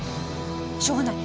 しょうがない。